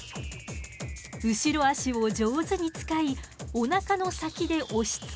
後ろ足を上手に使いおなかの先で押しつけて固定。